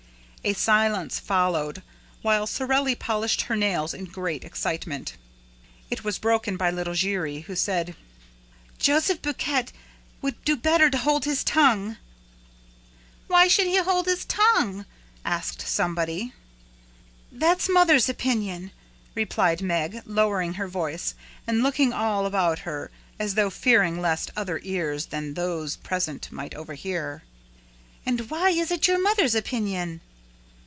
A silence followed, while Sorelli polished her nails in great excitement. It was broken by little Giry, who said: "Joseph Buquet would do better to hold his tongue." "Why should he hold his tongue?" asked somebody. "That's mother's opinion," replied Meg, lowering her voice and looking all about her as though fearing lest other ears than those present might overhear. "And why is it your mother's opinion?"